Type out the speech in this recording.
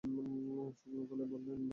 শুকনো গলায় বললেন, যাই?